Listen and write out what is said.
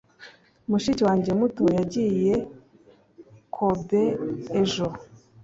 mushiki wanjye muto yagiye kobe ejo